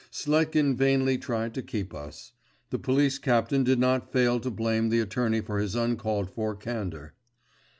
Sletkin vainly tried to keep us. The police captain did not fail to blame the attorney for his uncalled for candour.